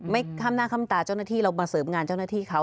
ข้ามหน้าข้ามตาเจ้าหน้าที่เรามาเสริมงานเจ้าหน้าที่เขา